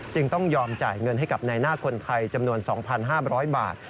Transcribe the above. ต้องยอมจ่ายเงินให้กับในหน้าคนไทยจำนวน๒๕๐๐บาท